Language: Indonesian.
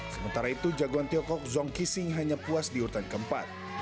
sementara itu jagoan tiongkok zong kising hanya puas di urutan keempat